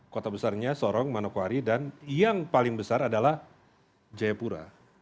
kota besarnya sorong manokwari dan yang paling besar adalah jayapura